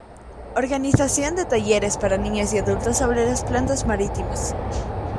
Organización de talleres para niños y adultos sobre las plantas marítimas.